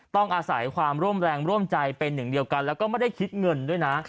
ต้องอาศัยความร่วมแรงร่วมใจเป็นอย่างเดียวกันแล้วก็ไม่ได้คิดเงินด้วยนะ